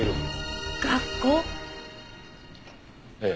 ええ。